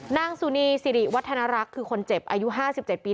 นางสุนีสิริวัฒนรักษ์คือคนเจ็บอายุ๕๗ปี